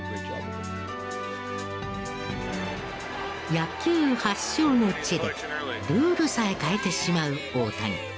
野球発祥の地でルールさえ変えてしまう大谷。